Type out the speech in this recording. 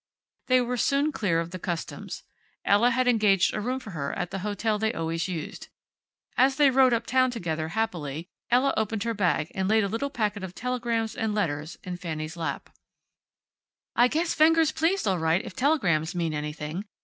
They were soon clear of the customs. Ella had engaged a room for her at the hotel they always used. As they rode uptown together, happily, Ella opened her bag and laid a little packet of telegrams and letters in Fanny's lap. "I guess Fenger's pleased, all right, if telegrams mean anything.